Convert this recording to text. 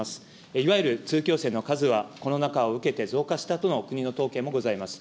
いわゆる通教生の数は、コロナ禍を受けて増加したとの国の統計もございます。